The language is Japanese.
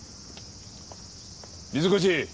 水越！